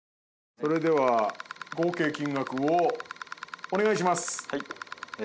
それでは合計金額をお願いしますえ